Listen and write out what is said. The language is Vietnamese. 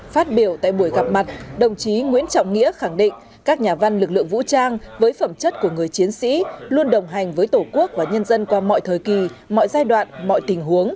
phát biểu tại buổi gặp mặt đồng chí nguyễn trọng nghĩa khẳng định các nhà văn lực lượng vũ trang với phẩm chất của người chiến sĩ luôn đồng hành với tổ quốc và nhân dân qua mọi thời kỳ mọi giai đoạn mọi tình huống